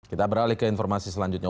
kita beralih ke informasi selanjutnya